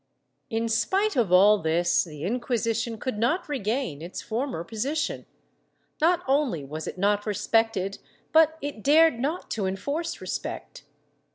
^ In spite of all this, the Inquisition could not regain its former position. Not only was it not respected but it dared not to enforce respect.